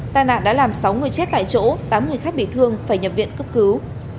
tai nạn đã làm sáu người chết tại chỗ tám người khác bị thương phải nhập viện cấp cứu